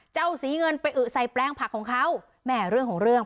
เจ้าสีเงินไปอึใส่แปลงผักของเขาแม่เรื่องของเรื่อง